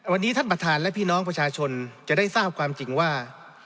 วันนี้ท่านประธานและพี่น้องประชาชนจะได้ทราบความจริงว่า